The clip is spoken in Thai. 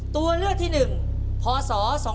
ตัวเลือกที่๑พศ๒๕๖